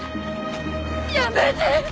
やめて！